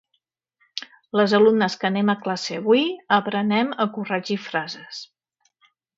les alumnes que anem a classe avui, aprenem a corregir frases .